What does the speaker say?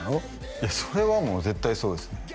いやそれはもう絶対そうですね